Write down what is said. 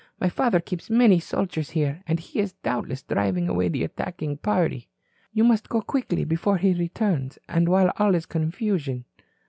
My father keeps many soldiers here. And he is, doubtless, driving away the attacking party. You must go quickly before he returns, and while all is confusion."